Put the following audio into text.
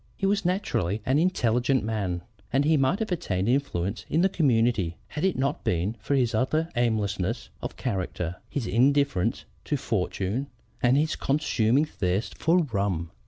He was naturally an intelligent man; and he might have attained influence in the community had it not been for his utter aimlessness of character, his indifference to fortune, and his consuming thirst for rum.